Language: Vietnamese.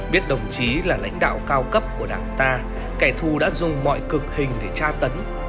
biết đồng chí là lãnh đạo cao cấp của đảng ta kẻ thù đã dùng mọi cực hình để tra tấn